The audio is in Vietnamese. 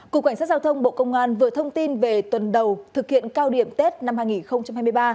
cục cảnh sát giao thông bộ công an vừa thông tin về tuần đầu thực hiện cao điểm tết năm hai nghìn hai mươi ba